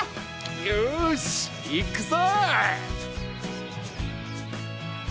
よしいくぞ。